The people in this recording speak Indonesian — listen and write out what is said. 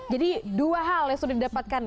jadi dua hal yang sudah didapatkan